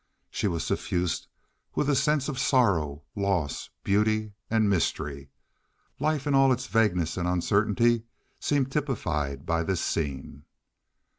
She was suffused with a sense of sorrow, loss, beauty, and mystery. Life in all its vagueness and uncertainty seemed typified by this scene.